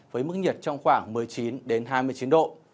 với mức nhiệt trong khoảng một mươi chín hai mươi chín độ